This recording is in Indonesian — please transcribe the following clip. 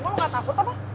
kamu gak takut apa